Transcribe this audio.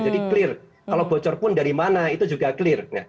jadi clear kalau bocor pun dari mana itu juga clear